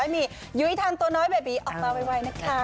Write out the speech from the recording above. มียุ้ยทันตัวน้อยเบบีออกมาไวนะคะ